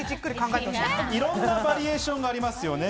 いろんなバリエーションがありますよね。